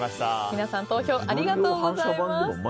皆さん投票ありがとうございます。